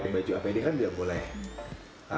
baju apd kan tidak boleh